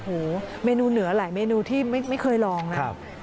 โอ้โหเมนูเหนือหลายเมนูที่ไม่เคยลองนะ